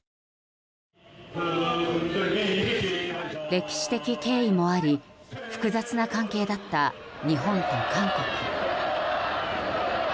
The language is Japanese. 歴史的経緯もあり複雑な関係だった日本と韓国。